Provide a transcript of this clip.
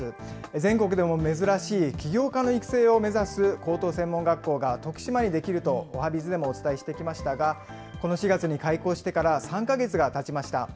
全国でも珍しい起業家の育成を目指す高等専門学校が徳島に出来るとおはＢｉｚでもお伝えしてきましたが、この４月に開校してから３か月がたちました。